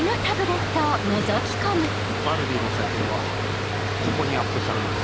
バルディの採点はここにアップされます。